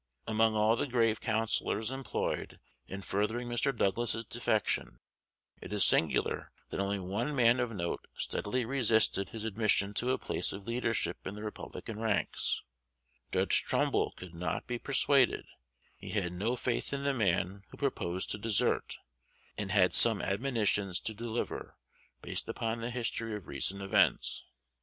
Among all the grave counsellors employed in furthering Mr. Douglas's defection, it is singular that only one man of note steadily resisted his admission to a place of leadership in the Republican ranks: Judge Trumbull could not be persuaded; he had no faith in the man who proposed to desert, and had some admonitions to deliver, based upon the history of recent events.